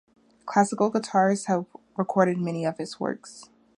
Classical guitarists have recorded many of his works.